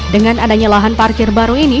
dengan adanya lahan parkir baru ini